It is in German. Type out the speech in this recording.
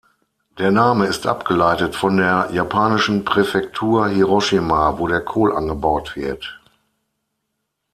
Der Name ist abgeleitet von der japanischen Präfektur Hiroshima, wo der Kohl angebaut wird.